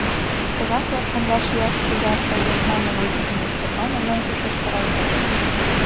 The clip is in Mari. Тыгак латкандаш ияш шӱжарже, Ятманова Устинья Степановна, ушештаралтеш.